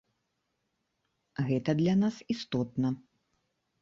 Гэта для нас істотна.